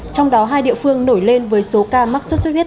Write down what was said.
trong đó hai địa phương nổi lên với số ca mắc sốt xuất huyết